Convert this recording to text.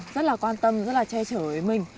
rất là quan tâm rất là che chở với mình